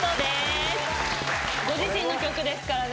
ご自身の曲ですからね。